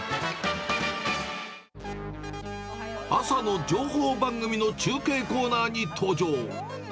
朝の情報番組の中継コーナーに登場。